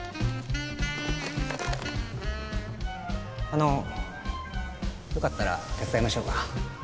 あのよかったら手伝いましょうか？